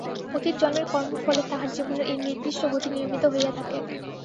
অতীত জন্মের কর্মফলে তাহার জীবনের এই নির্দিষ্ট গতি নিয়মিত হইয়া থাকে।